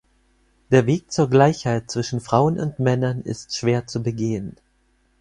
Der Weg zur Gleichheit zwischen Frauen und Männern ist schwer zu begehen.